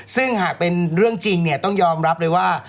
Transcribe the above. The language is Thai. ซึ่งหากเป็นเรื่องจริงเนี่ยต้องยอมรับเลยว่า